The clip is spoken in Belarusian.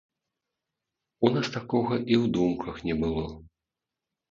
У нас такога і ў думках не было.